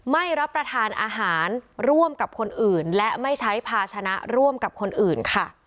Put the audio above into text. ไม่รับประทานอาหารร่วมกับคนอื่นและไม่ใช้ภาชนะร่วมกับคนอื่นค่ะ